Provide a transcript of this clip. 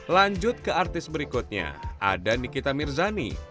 lanjut ke artis berikutnya ada nikita mirzani